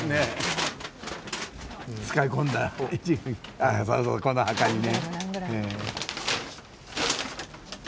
あそうそうこのはかりね。